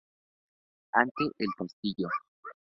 Ante el castillo.